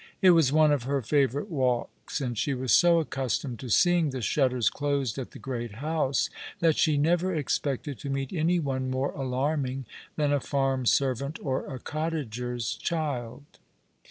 It was ©ne of her favourite walks, and she was so accustomed to seeing the shutters closed at the great house that she never expected 6 All along the River, to meet any one more alarming than a farm servant or a cottager's cliild.